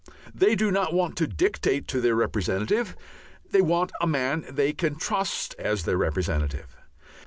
They do not want to dictate to their representative; they want a man they can trust as their representative.